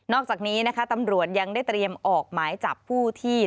อกจากนี้นะคะตำรวจยังได้เตรียมออกหมายจับผู้ที่